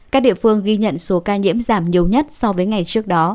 các địa phương ghi nhận số ca nhiễm giảm nhiều nhất so với ngày trước đó